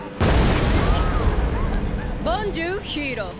ボンジュールヒーロー。